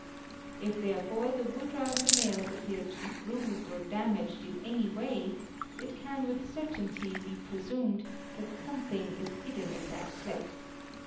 If therefore the wood round i he nails appears to be bruised or damaged in any way, it can with ttainty be presumed that something is hidden in that place.